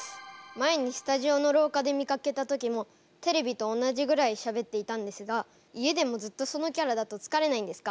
前にスタジオの廊下で見かけた時もテレビと同じぐらいしゃべっていたんですが家でもずっとそのキャラだと疲れないんですか？